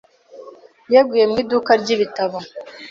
Yaguye mu iduka ryibitabo.